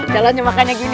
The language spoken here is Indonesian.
jalannya makanya gini